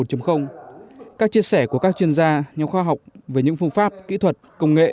các chia sẻ của các chuyên gia nhà khoa học về những phương pháp kỹ thuật công nghệ